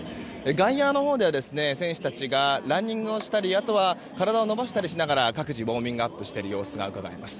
外野のほうでは選手たちがランニングをしたり体を伸ばしたりしながら各自、ウォーミングアップをしている様子がうかがえます。